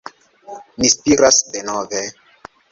Ni spiras denove.